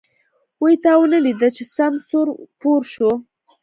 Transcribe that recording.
وی تا ونه ليده چې سم سور و پور شو.